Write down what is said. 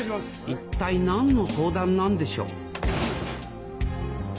一体何の相談なんでしょう？